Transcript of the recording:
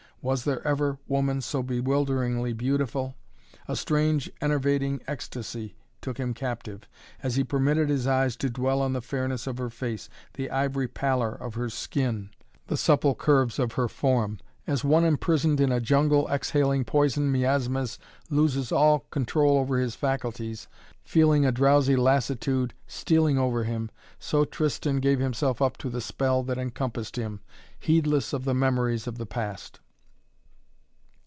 Was there ever woman so bewilderingly beautiful? A strange enervating ecstasy took him captive, as he permitted his eyes to dwell on the fairness of her face, the ivory pallor of her skin, the supple curves of her form. As one imprisoned in a jungle exhaling poison miasmas loses all control over his faculties, feeling a drowsy lassitude stealing over him, so Tristan gave himself up to the spell that encompassed him, heedless of the memories of the past.